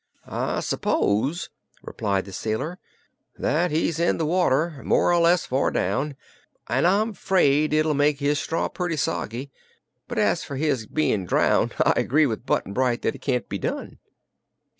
"I s'pose," replied the sailor, "that he's in that water, more or less far down, and I'm 'fraid it'll make his straw pretty soggy. But as fer his bein' drowned, I agree with Button Bright that it can't be done."